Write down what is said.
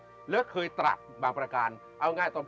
วัดสุทัศน์นี้จริงแล้วอยู่มากี่ปีตั้งแต่สมัยราชการไหนหรือยังไงครับ